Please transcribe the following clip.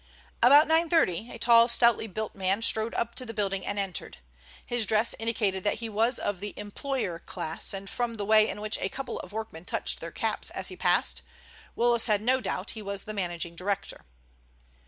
About nine thirty a tall, stoutly built man strode up to the building and entered. His dress indicated that he was of the employer class, and from the way in which a couple of workmen touched their caps as he passed, Willis had no doubt he was the managing director.